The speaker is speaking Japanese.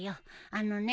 あのね